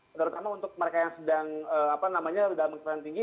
terutama untuk mereka yang sedang apa namanya dalam kecepatan tinggi